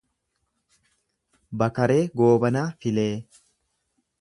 Bakaree Goobanaa Filee